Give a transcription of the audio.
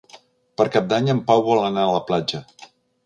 Per Cap d'Any en Pau vol anar a la platja.